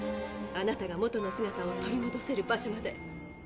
あなたが元の姿を取りもどせる場所まで。